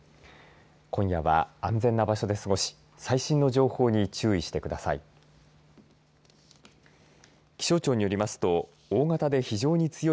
今夜は、安全な場所で過ごし最新の情報に注意してください。